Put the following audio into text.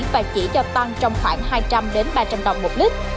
và chỉ cho tăng trong khoảng hai trăm linh ba trăm linh usd một lít